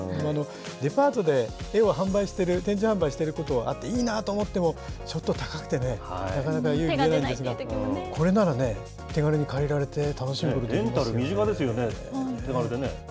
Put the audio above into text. デパートで絵を販売していて、展示販売していることがあって、いいなと思っても、ちょっと高くてね、なかなか手が出ないんですが、これならね、手軽に借りられて、楽レンタル、身近ですよね。